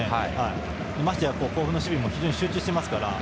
ましてや甲府の守備も非常に集中していますからね。